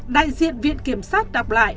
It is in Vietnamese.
đại diện viện kiểm soát đọc lại